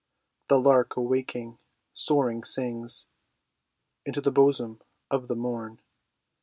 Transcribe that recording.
The lark, awaking, soaring sings Into the bosom of the morn.